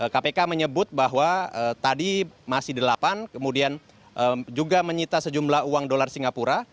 kpk menyebut bahwa tadi masih delapan kemudian juga menyita sejumlah uang dolar singapura